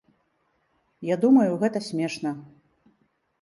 Я думаю, гэта смешна.